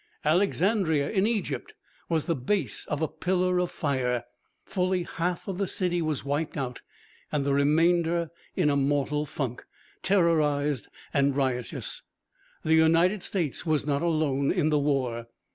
Alexandria, in Egypt, was the base of a pillar of fire! Fully half of the city was wiped out, and the remainder in a mortal funk, terrorized and riotous. The United States was not alone in the war!